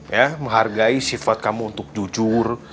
ya menghargai sifat kamu untuk jujur